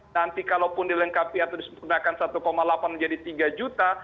nanti kalau pun dilengkapi atau disempatkan satu delapan menjadi tiga juta